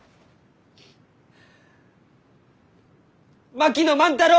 槙野万太郎！